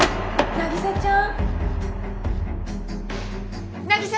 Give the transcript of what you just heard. ・凪沙ちゃん凪沙。